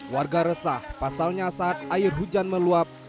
warga resah pasalnya saat air hujan meluap